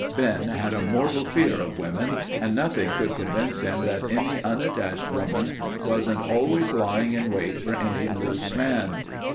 Ben had a mortal fear of women and nothing could convince him that any unattached woman wasn't always lying in wait for any loose man.